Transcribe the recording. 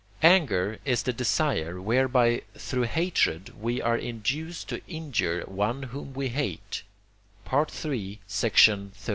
Anger is the desire, whereby through hatred we are induced to injure one whom we hate, III.